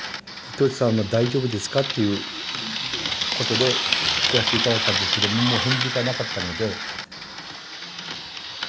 「豊田さんは大丈夫ですか？」っていうことで送らせていただいたんですけどももう返事がなかったので。